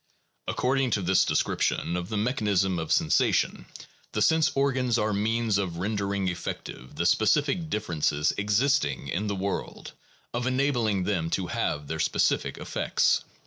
According to this description of the mechanism of sensation, the sense organs are means of rendering effective the specific differences existing in the world, of enabling them to have their specific effects.